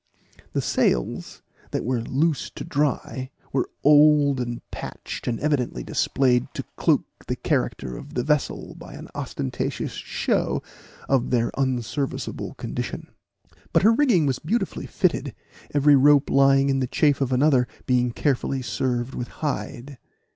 The sails, that were loose to dry, were old, and patched, and evidently displayed to cloak the character of the vessel by an ostentatious show of their unserviceable condition; but her rigging was beautifully fitted, every rope lying in the chafe of another being carefully served with hide.